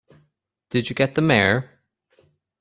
Did you get the Mayor?